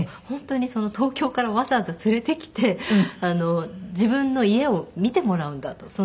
本当に東京からわざわざ連れてきて自分の家を見てもらうんだと。